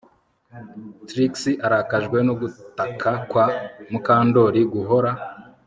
Trix arakajwe no gutaka kwa Mukandoli guhora